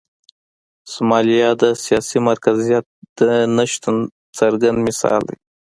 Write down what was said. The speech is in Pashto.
سومالیا د سیاسي مرکزیت د نشتون څرګند مثال دی.